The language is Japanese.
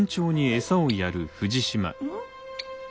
うん？